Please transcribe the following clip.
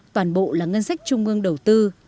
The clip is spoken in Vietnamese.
toàn bộ là ngân sách trung ương đầu tư